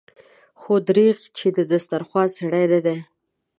خو دريغه چې د دسترخوان سړی نه دی.